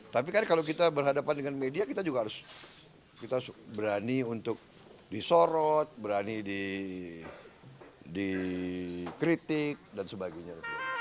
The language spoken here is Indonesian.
tapi kan kalau kita berhadapan dengan media kita juga harus kita berani untuk disorot berani dikritik dan sebagainya